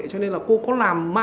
cho nên là cô có làm mạng